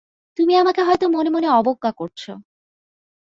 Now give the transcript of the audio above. তুমি আমাকে হয়তো মনে মনে অবজ্ঞা করছ।